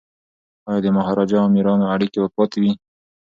ایا د مهاراجا او امیرانو اړیکي به پاتې وي؟